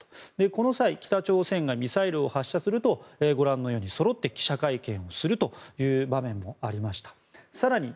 この際、北朝鮮がミサイルを発射するとご覧のようにそろって記者会見をするという場面もありました。